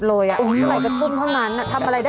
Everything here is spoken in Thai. ดูลูกกันนอนดูเพลินเลยนะ